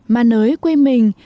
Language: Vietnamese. ma nới quê mình